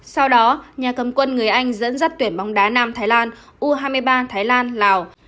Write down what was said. sau đó nhà cầm quân người anh dẫn dắt tuyển bóng đá nam thái lan u hai mươi ba thái lan lào